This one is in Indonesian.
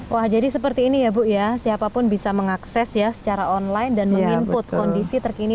wah jadi seperti ini ya bu ya siapapun bisa mengakses ya secara online dan meng input kondisi terkini